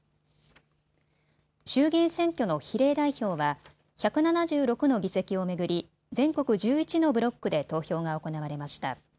衆議院選挙の比例代表は１７６の議席を巡り全国１１のブロックで投票が行われました。